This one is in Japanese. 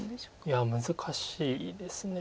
いや難しいです。